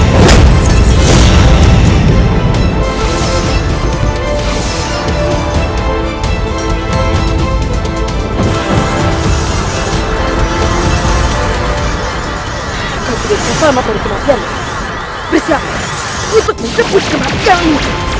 kau tidak bisa mematuhi kematianmu